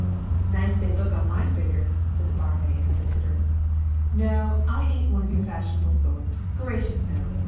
"Nice they'd look on my figger," said the barmaid, with a titter. "No I ain't one of your fashionable sort. Gracious no!